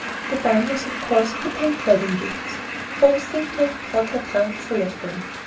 The bundles of course contained wedding gifts. Rose seemed to have brought her trunk full of them.